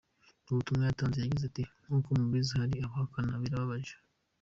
Mu butumwa yatanze, yagize ati, ’’Nkuko mubizi hari abahakana birababaje.